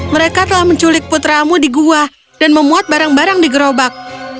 mereka telah menculik putramu di gua dan memuat barang barang di gerobak